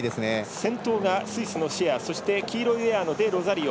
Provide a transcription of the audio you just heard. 先頭がスイスのシェア黄色いウェアのデロザリオ。